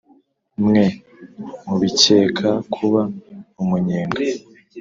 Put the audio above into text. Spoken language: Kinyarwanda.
mwe mubikeka kuba umunyenga